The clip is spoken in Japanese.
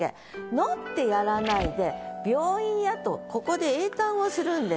「の」ってやらないで「病院や」とここで詠嘆をするんです。